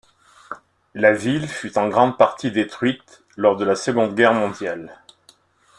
La ville fut en grande partie détruite lors de la Seconde Guerre mondiale.